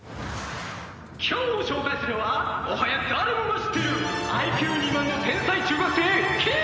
「今日紹介するのはもはや誰もが知っているＩＱ２万の天才中学生キイト！」